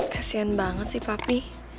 kasian banget sih papi